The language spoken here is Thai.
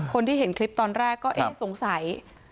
คนที่เห็นคลิปตอนแรกก็เอ๊ะสงสัย